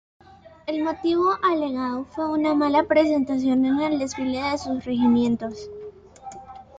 El motivo alegado fue una mala presentación en el desfile de sus regimientos.